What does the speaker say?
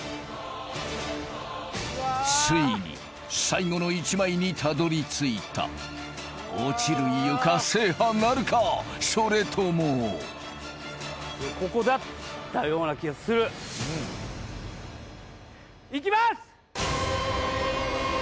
ついに最後の１枚にたどり着いた落ちる床制覇なるかそれともここだったような気がするいきます